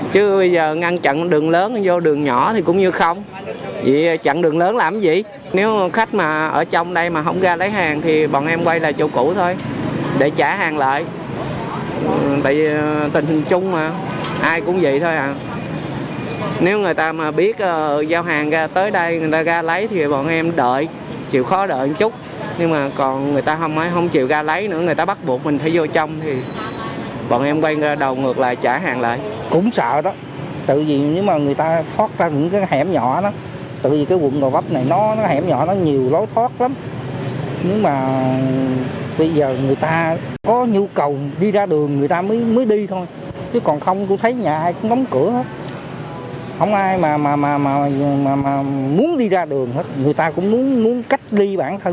không ai mà muốn đi ra đường hết người ta cũng muốn cách ly bản thân người ta luôn những người khỏe người bệnh thì đưa đi rồi